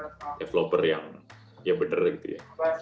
jadi kita sebenarnya developer yang bener gitu ya